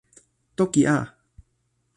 toki a!